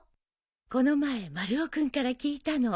この前丸尾君から聞いたの。